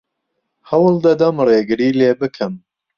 هەوڵ دەدەم ڕێگری لێ بکەم.